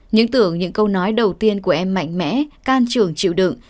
những tưởng những câu nói đầu tiên của em mạnh mẽ can trường chịu đựng